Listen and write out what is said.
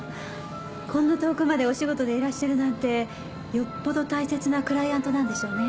こんな遠くまでお仕事でいらっしゃるなんてよっぽど大切なクライアントなんでしょうね。